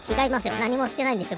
なにもしてないんですよ